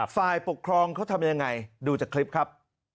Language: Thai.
ฝ่ายปกครองเขาทำยังไงดูจากคลิปครับ